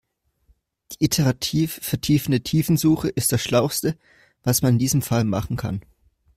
Die iterativ vertiefende Tiefensuche ist das schlauste, was man in diesem Fall machen kann.